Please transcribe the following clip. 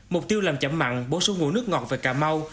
mục tiêu làm chậm mặn bổ sung nguồn nước ngọt về cà mau